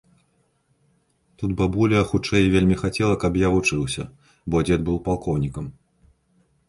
Тут бабуля хутчэй вельмі хацела, каб я вучыўся, бо дзед быў палкоўнікам.